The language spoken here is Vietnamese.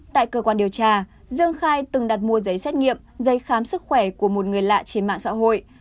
tại cơ quan điều tra dương khai từng đặt mua giấy xét nghiệm giấy khám sức khỏe của một người lạ trên mạng xã hội